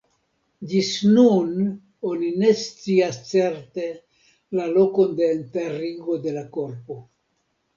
Ĝis nun oni ne scias certe la lokon de enterigo de la korpo.